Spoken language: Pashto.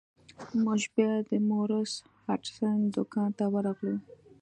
موږ بیا د مورس هډسن دکان ته ورغلو.